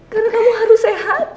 karena kamu harus sehat